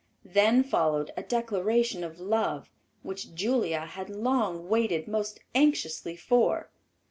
Then followed a declaration of love, which Julia had long waited most anxiously for.